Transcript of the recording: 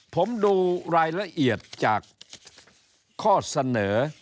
ผมดูรายละเอียดจากข้อเสนอ